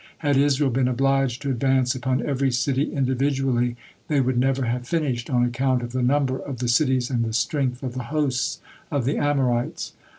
Had Israel been obliged to advance upon every city individually, they would never have finished, on account of the number of the cities and the strength of the hosts of the Amorites.